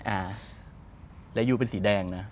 อ่าแล้วยูเป็นสีแดงนะ